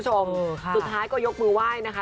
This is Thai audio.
สุดท้ายก็ยกมือไหว้นะคะ